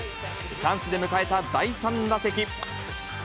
チャンスで迎えた第３打席。